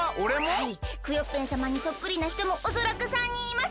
はいクヨッペンさまにそっくりなひともおそらく３にんいます。